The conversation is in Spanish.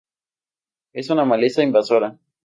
Es una maleza invasora.